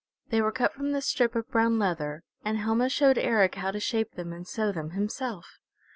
They were cut from the strip of brown leather, and Helma showed Eric how to shape them and sew them himself.